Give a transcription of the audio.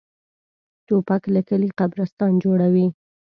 توپک له کلي قبرستان جوړوي.